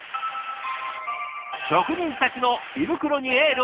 職人たちの胃袋にエールを。